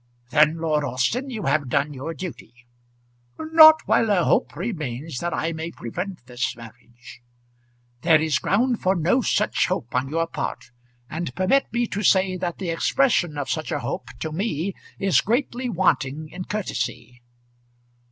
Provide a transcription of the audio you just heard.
"Then, Lord Alston, you have done your duty." "Not while a hope remains that I may prevent this marriage." "There is ground for no such hope on your part; and permit me to say that the expression of such a hope to me is greatly wanting in courtesy."